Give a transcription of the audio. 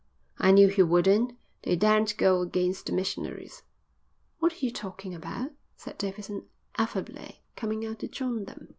"I knew he wouldn't. They daren't go against the missionaries." "What are you talking about?" said Davidson affably, coming out to join them.